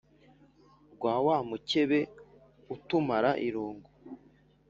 rwa wa mukebe utumara irungu